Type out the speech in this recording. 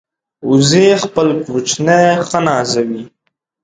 وزې خپل کوچني ښه نازوي